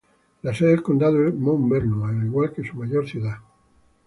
La sede del condado es Mount Vernon, al igual que su mayor ciudad.